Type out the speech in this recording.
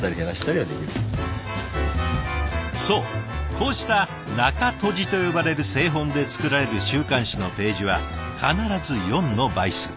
こうした「中とじ」と呼ばれる製本で作られる週刊誌のページは必ず４の倍数。